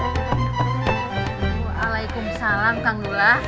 waalaikum salam kang dula